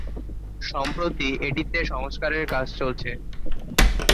সম্প্রতি এটিতে সংস্কারের কাজ চলছে।